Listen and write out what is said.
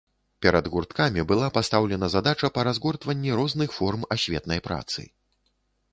Перад гурткамі была пастаўлена задача па разгортванні розных форм асветнай працы.